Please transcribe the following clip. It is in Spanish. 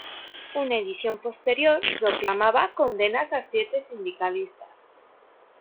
Una edición posterior proclamaba “Condenas a siete sindicalistas.